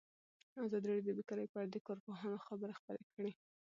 ازادي راډیو د بیکاري په اړه د کارپوهانو خبرې خپرې کړي.